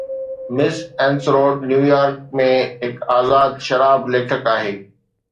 مس اينسروڊ New York ۾ هڪ آزاد شراب ليکڪ آهي